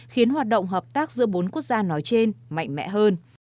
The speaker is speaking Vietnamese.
khiến hoạt động hợp tác giữa bốn quốc gia nói trên mạnh mẽ hơn